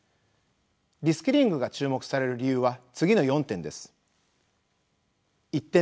リスキリングが注目される理由は次の４点です。